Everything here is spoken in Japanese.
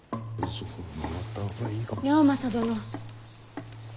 直政殿。